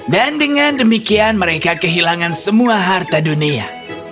dan dengan demikian mereka kehilangan semua harta dunia